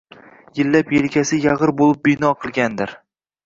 Yillab yelkasi yag'ir bo'lib bino qilgandir